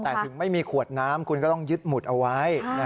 แต่ถึงไม่มีขวดน้ำคุณก็ต้องยึดหมุดเอาไว้